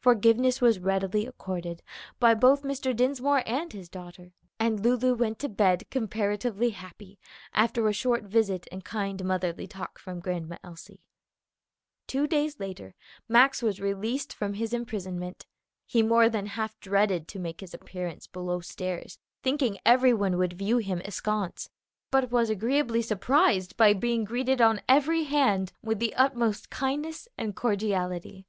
Forgiveness was readily accorded by both Mr. Dinsmore and his daughter, and Lulu went to bed comparatively happy after a short visit and kind motherly talk from Grandma Elsie. Two days later Max was released from his imprisonment. He more than half dreaded to make his appearance below stairs, thinking every one would view him askance, but was agreeably surprised by being greeted on every hand with the utmost kindness and cordiality.